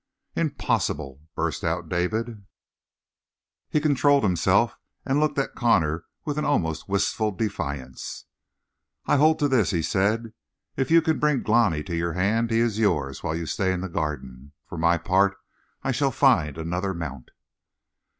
"Impossible!" burst out David. He controlled himself and looked at Connor with an almost wistful defiance. "I hold to this," he said. "If you can bring Glani to your hand, he is yours while you stay in the Garden for my part, I shall find another mount."